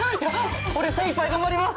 俺精いっぱい頑張ります！